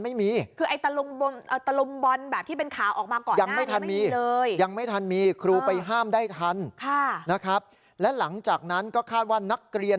ในกลุ่มที่วิ่งกันอันนี้